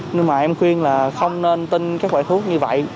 nhưng mà em khuyên là không nên tin các loại thuốc như vậy